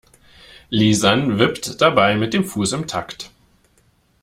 Lisann wippt dabei mit dem Fuß im Takt.